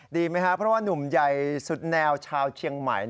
ดีไหมครับเพราะว่านุ่มใหญ่สุดแนวชาวเชียงใหม่